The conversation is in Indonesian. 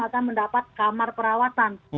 akan mendapat kamar perawatan